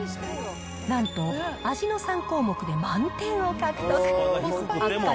なんと、味の３項目で満点を獲得。